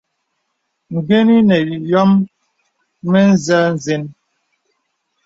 Gəni nə̀ yɔ̄m mə̄zɛ̄ zeŋ.